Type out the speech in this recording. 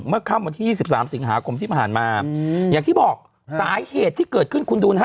ค่ำวันที่๒๓สิงหาคมที่ผ่านมาอย่างที่บอกสาเหตุที่เกิดขึ้นคุณดูนะฮะ